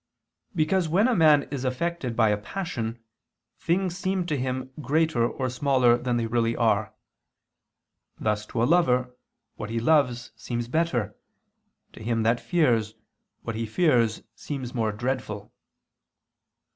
Because when a man is affected by a passion, things seem to him greater or smaller than they really are: thus to a lover, what he loves seems better; to him that fears, what he fears seems more dreadful.